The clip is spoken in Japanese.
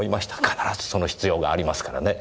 必ずその必要がありますからね。